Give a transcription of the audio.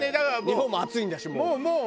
日本も暑いんだしもう。